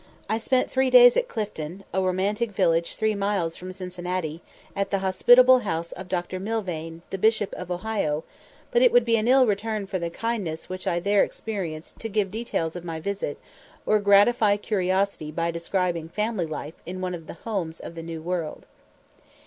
I spent three days at Clifton, a romantic village three miles from Cincinnati, at the hospitable house of Dr. Millvaine, the Bishop of Ohio; but it would be an ill return for the kindness which I there experienced to give details of my visit, or gratify curiosity by describing family life in one of the "homes of the New World."